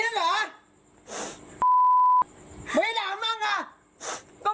อี๋มันไม่อยากพูดหรอก